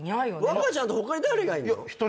和歌ちゃんと他に誰がいるの？